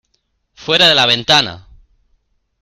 ¡ Fuera de la ventana!